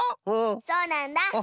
そうなんだ！